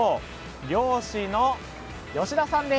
漁師の吉田さんです。